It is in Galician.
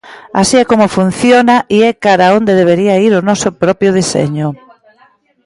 Así e como funciona e é cara onde debería ir o noso propio deseño.